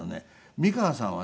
美川さんはね